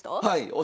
はい。